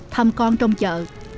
thăm con trong chợ